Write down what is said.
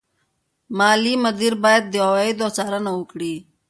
مالي مدیر باید د عوایدو څارنه وکړي.